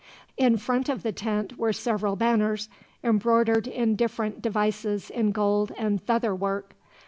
In front of the tent were several banners, embroidered in different devices in gold and feather work.